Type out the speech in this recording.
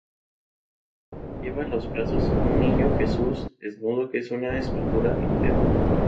Lleva en los brazos un Niño Jesús desnudo que es una escultura entera.